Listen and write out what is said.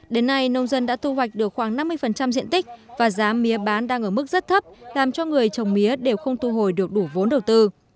đến nay nông dân đã thu hoạch được khoảng năm mươi diện tích và giá mía bán đang ở mức rất thấp làm cho người trồng mía đều không thu hồi được đủ vốn đầu tư